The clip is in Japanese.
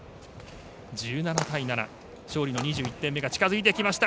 １７対７勝利の２１点目が近づいてきました。